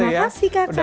terima kasih kak cak